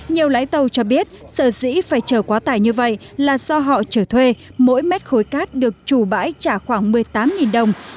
nhiều lái tàu cho biết sở dĩ phải chở quá tải như vậy là do họ trở thuê mỗi mét khối cát được chủ bãi trả khoảng một mươi tám đồng